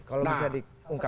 kalau bisa diungkapkan